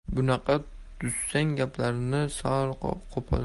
Bunaqa tuzsiz gaplarga sal qo‘polroq.